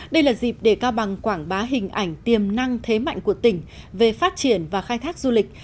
đây là dịp để cao bằng quảng bá hình ảnh tiềm năng thế mạnh của tỉnh về phát triển và khai thác du lịch